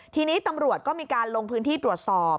ทีนี้ตำรวจก็มีการลงพื้นที่ตรวจสอบ